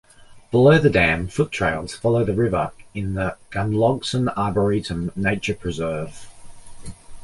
Below the dam, foot trails follow the river in the Gunlogson Arboretum Nature Preserve.